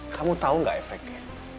kamu tau gak efeknya